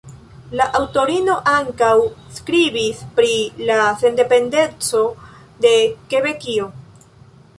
La aŭtorino ankaŭ skribis pri la sendependeco de Kebekio.